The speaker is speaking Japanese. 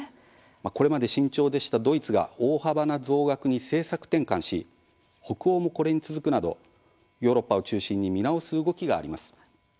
これまで慎重でしたドイツが大幅な増額に政策転換し北欧もこれに続くなどヨーロッパを中心に見直す動きがあります。